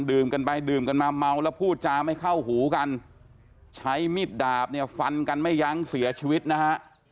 กันไปดื่มกันมาเมาแล้วพูดจาไม่เข้าหูกันใช้มีดดาบเนี่ยฟันกันไม่ยั้งเสียชีวิตนะฮะ